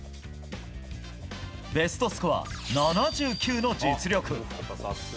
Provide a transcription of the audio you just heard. ベストスコア７９の実力！